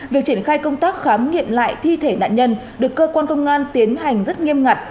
việc triển khai công tác khám nghiệm lại thi thể nạn nhân được cơ quan công an tiến hành rất nghiêm ngặt